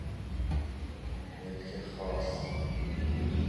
ملک خاص